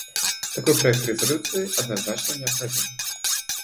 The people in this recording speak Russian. Такой проект резолюции однозначно необходим.